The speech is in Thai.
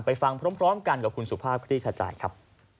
ไปฟังพร้อมกันกับคุณสุภาพคลี่ขจายครับ